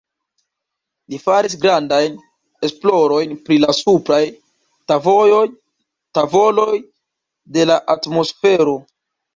Li faris grandajn esplorojn pri la supraj tavoloj de la atmosfero.